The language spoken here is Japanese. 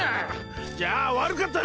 じゃあ悪かったな！